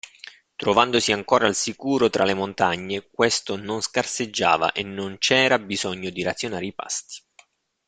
Trovandosi ancora al sicuro tra le montagne, questo non scarseggiava e non c'era bisogno di razionare i pasti.